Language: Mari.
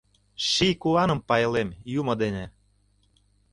Ший куаным пайлем Юмо дене!